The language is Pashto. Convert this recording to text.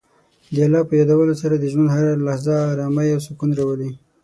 د الله په یادولو سره د ژوند هره لحظه ارامۍ او سکون راولي.